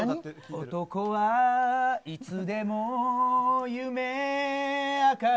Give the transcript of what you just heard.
男はいつでも夢あかり。